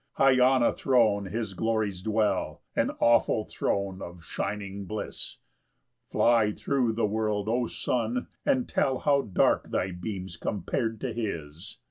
3 High on a throne his glories dwell, An awful throne of shining bliss: Fly thro' the world, O sun, and tell How dark thy beams compar'd to his.